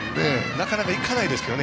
なかなかいけないですけどね。